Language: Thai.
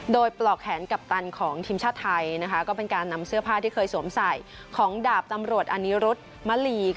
โดยปลอกแขนกัปตันของทีมชาติไทยก็เป็นการนำเสื้อผ้าที่เคยสวมใส่ของดาบตำรวจอนิรุธมลี